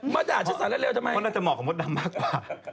มาถ่ายสารเลวทำไมเขาเนื้อจะเหมาะกับมดดำมากกว่า